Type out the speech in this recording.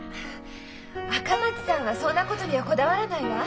赤松さんはそんなことにはこだわらないわ。